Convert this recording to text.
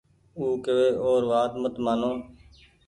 او ڪوي اور وآت مت مآنو